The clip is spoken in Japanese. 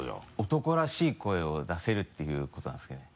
男らしい声を出せるっていうことなんですけどね。